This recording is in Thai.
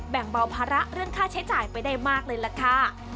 แบ่งเบาภาระเรื่องค่าใช้จ่ายไปได้มากเลยล่ะค่ะ